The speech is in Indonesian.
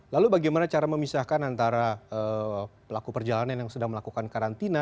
lalu bagaimana cara memisahkan antara pelaku perjalanan yang sedang melakukan karantina